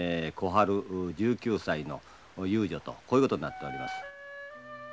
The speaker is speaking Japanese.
小春１９歳の遊女とこういうことになっております。